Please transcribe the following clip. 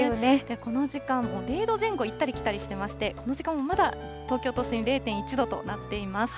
この時間、０度前後を行ったり来たりしてまして、この時間もまだ東京都心０．１度となっています。